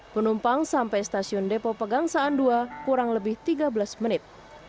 penumpang sampai stasiun depo pegangsaan ii kurang lebih tiga belas menit